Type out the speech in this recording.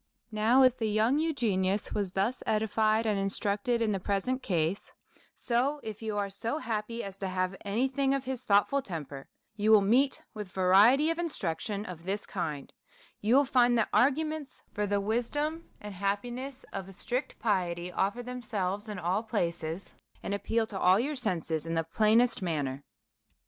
Now, as the young Eugenius was thus edified and instructed in the present case, so, if you are so happy as to have any thing of his thoughtful temper, you will meet with variety of instruction of this kind ; you will find that arguments for the wisdom and happiness of a strict piety offer themselves in all places, and ap peal to all your senses in the plainest manner.